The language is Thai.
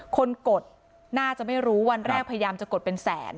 กดน่าจะไม่รู้วันแรกพยายามจะกดเป็นแสน